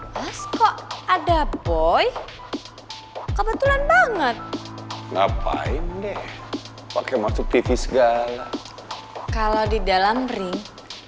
pas kok ada boy kebetulan banget ngapain deh pakai masuk tv segala kalau di dalam ring